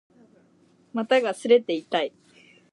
股が擦れて痛い